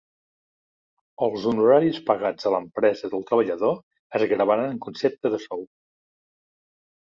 Els honoraris pagats a l'empresa del treballador es gravaran en concepte de sou.